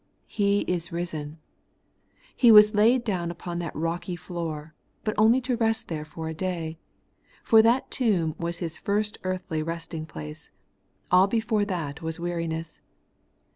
Se is risen. He was laid down upon that rocky floor ; but only to rest there for a day. For that tomb was His first earthly resting place ; all before that was weariness.